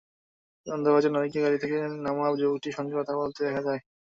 সন্দেহভাজন নারীকে গাড়ি থেকে নামা যুবকটির সঙ্গে কথা বলতে দেখা যায়।